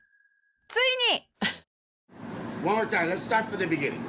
ついに。